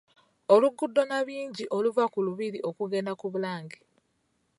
Oluguudo Nnabingi oluva ku lubiri okugenda ku Bulange .